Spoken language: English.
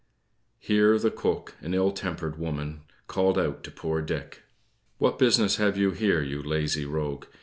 Here the cook, an ill tempered woman, called out to poor Dick: "What business have you there, you lazy rogue?